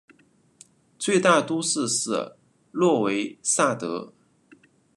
最大都市是诺维萨德。